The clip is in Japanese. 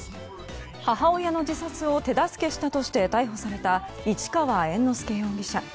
母親の自殺を手助けしたとして逮捕された市川猿之助容疑者。